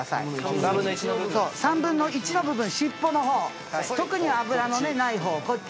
そう３分の１の部分尻尾の方特に脂のねない方こっち